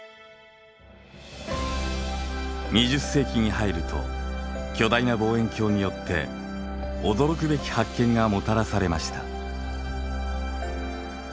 ２０世紀に入ると巨大な望遠鏡によって驚くべき発見がもたらされました。